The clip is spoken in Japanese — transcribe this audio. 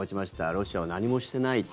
ロシアは何もしていないと。